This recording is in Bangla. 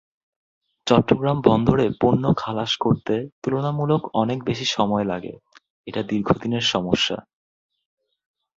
চট্টগ্রাম বন্দরে পণ্য খালাস করতে তুলনামূলক অনেক বেশি সময় লাগে—এটা দীর্ঘদিনের সমস্যা।